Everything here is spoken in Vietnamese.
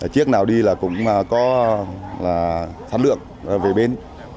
chiếc nào đi là cũng có sản lượng về bên